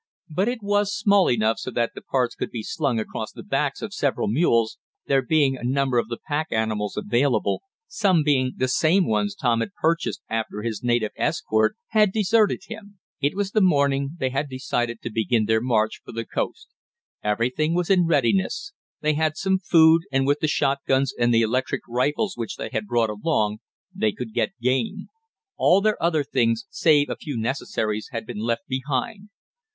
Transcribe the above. But it was made small enough so that the parts could be slung across the backs of several mules, there being a number of the pack animals available, some being the same ones Tom had purchased after his native escort had deserted him. It was the morning they had decided to begin their march for the coast. Everything was in readiness, they had some food, and with the shotguns and the electric rifles which they had brought along, they could get game. All their other things, save a few necessaries, had been left behind.